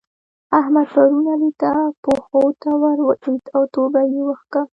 احمد پرون علي ته پښو ته ور ولېد او توبه يې وکښه.